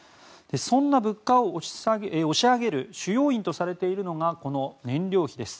そんな物価を押し上げる主要因とされているのが燃料費です。